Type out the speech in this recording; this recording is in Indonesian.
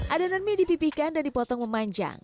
adonan mie dipipihkan dan dipotong memanjang